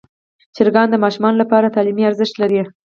چرګان د ماشومانو لپاره تعلیمي ارزښت لري.